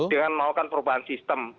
dengan meragukan perubahan sistem